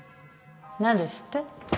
何ですって？